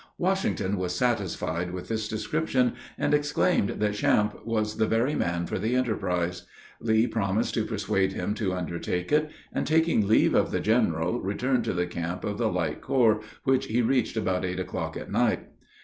Washington was satisfied with this description, and exclaimed that Champe was the very man for the enterprise. Lee promised to persuade him to undertake it, and, taking leave of the general, returned to the camp of the light corps, which he reached about eight o'clock at night.